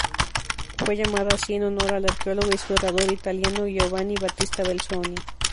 Fue llamada así en honor al arqueólogo y explorador italiano Giovanni Battista Belzoni.